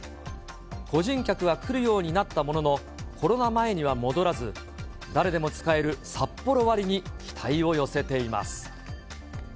個人客は来るようになったものの、コロナ前には戻らず、誰でも使えるサッポロ割に期待を寄せています。